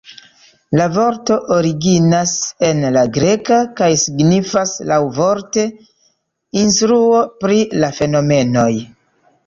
La vorto originas en la greka kaj signifas laŭvorte "instruo pri la fenomenoj".